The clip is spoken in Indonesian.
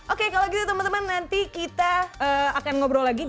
oke kalau gitu teman teman nanti kita akan ngobrol lagi